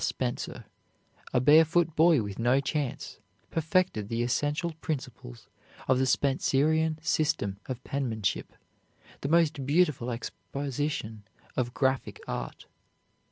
Spencer, a barefoot boy with no chance, perfected the essential principles of the Spencerian system of penmanship, the most beautiful exposition of graphic art.